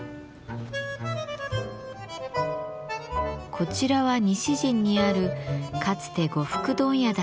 こちらは西陣にあるかつて呉服問屋だった京町家。